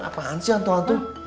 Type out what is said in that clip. ngapain sih hantu hantu